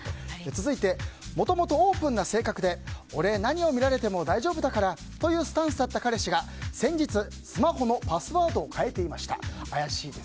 続いて、もともとオープンな性格で俺、何を見られても大丈夫だからというスタンスだった彼氏が先日スマホのパスワードを変えていました。